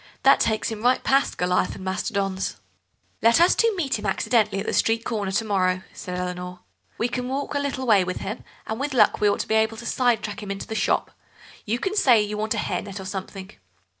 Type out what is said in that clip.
That takes him right past Goliath and Mastodon's." "Let us two meet him accidentally at the street corner to morrow," said Eleanor; "we can walk a little way with him, and with luck we ought to be able to side track him into the shop. You can say you want to get a hair net or something.